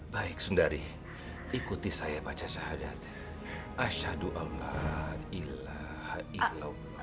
baik sundari ikuti saya baca syahadat asyadu allah ilaha illallah